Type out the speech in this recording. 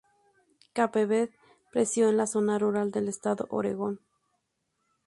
Campbell creció en la zona rural del estado de Oregón.